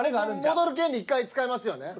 戻る権利１回使えますよね？